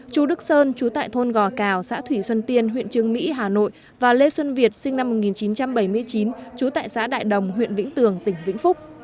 chú đức sơn chú tại thôn gò cào xã thủy xuân tiên huyện trương mỹ hà nội và lê xuân việt sinh năm một nghìn chín trăm bảy mươi chín trú tại xã đại đồng huyện vĩnh tường tỉnh vĩnh phúc